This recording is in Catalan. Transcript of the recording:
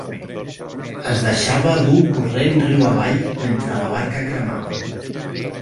Es deixava dur corrent riu avall, mentre la barca cremava.